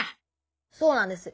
そうなんです。